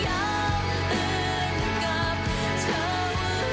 ยอมทั้งนั้นกับนิ้วที่ฉัน